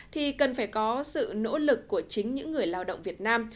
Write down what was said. thì cần phải có sự nỗ lực của chính những người lao động việt nam